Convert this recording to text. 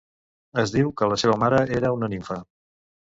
Es diu que la seva mare era una nimfa.